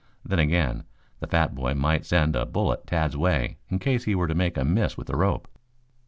Then again, the fat boy might send a bullet Tad's way in case he were to make a miss with the rope.